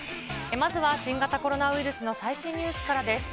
まずは新型コロナウイルスの最新ニュースです。